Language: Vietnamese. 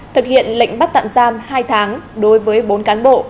thực hiện lệnh bắt tạm giam hai tháng đối với bốn cán bộ